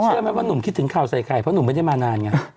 เชื่อไหมว่าหนุ่มคิดถึงข่าวใส่ไข่เพราะหนุ่มไม่ได้มานานไง